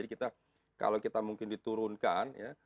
jadi kalau kita mungkin diturunkan